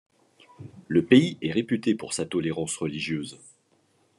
Le pays est réputé pour sa tolérance religieuse.